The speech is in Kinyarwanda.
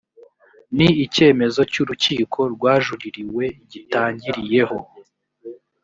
ni icyemezo cy’urukiko rwajuririwe gitangiriyeho